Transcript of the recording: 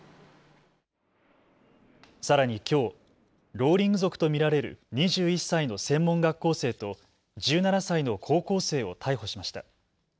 さらにきょう、ローリング族と見られる２１歳の専門学校生と１７歳の高校生を逮捕しました。